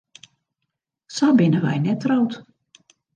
Sa binne wy net troud.